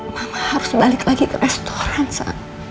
mama harus balik lagi ke restoran soal